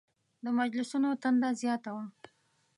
د مجلسونو تنده زیاته وه.